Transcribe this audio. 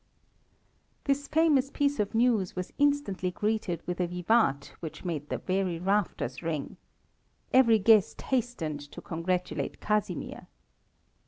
This famous piece of news was instantly greeted with a vivat which made the very rafters ring. Every guest hastened to congratulate Casimir.